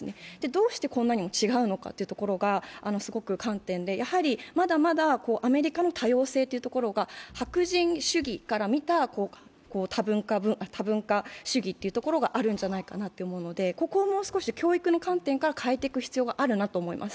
どうしてこんなにも違うのかというところが観点でまだまだアメリカの多様性というところが白人主義から見た多文化主義というところがあるんじゃないかなと思うので、ここはもう少し教育の観点から変えていく必要があると思います。